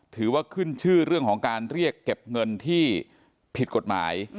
ถือว่าขึ้นชื่อเรื่องของการเรียกเก็บเงินที่ผิดกฎหมาย